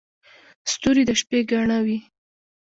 • ستوري د شپې ګاڼه وي.